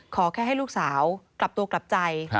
ขอแค่ให้ลูกสาวกลับตัวกลับใจ